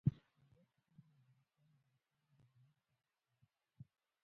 مورغاب سیند د افغانستان د موسم د بدلون سبب کېږي.